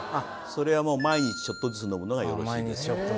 それはもう毎日ちょっとずつ飲むのがよろしいですよ